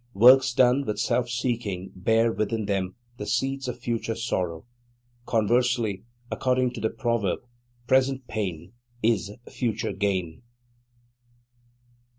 Works done with self seeking bear within them the seeds of future sorrow; conversely, according to the proverb, present pain is future gain.